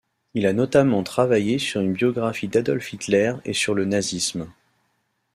Il a notamment travaillé sur une biographie d'Adolf Hitler et sur le nazisme.